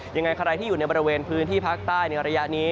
ยังไงใครที่อยู่ในบริเวณพื้นที่ภาคใต้ในระยะนี้